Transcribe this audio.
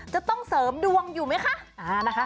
จะต้องเสริมดวงอยู่ไหมคะ